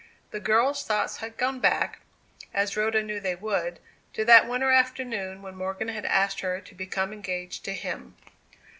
The girl's thoughts had gone back, as Rhoda knew they would, to that winter afternoon when Morgan had asked her to become engaged to him.